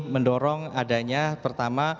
mendorong adanya pertama